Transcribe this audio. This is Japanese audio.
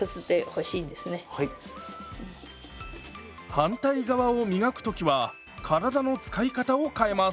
反対側を磨く時は体の使い方を変えます。